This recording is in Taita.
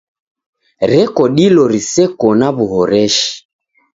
Reko dilo riseko na w'uhoreshi.